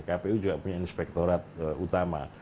kpu juga punya inspektorat utama